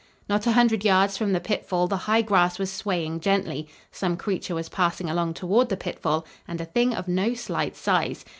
Not a hundred yards from the pitfall the high grass was swaying gently; some creature was passing along toward the pitfall and a thing of no slight size.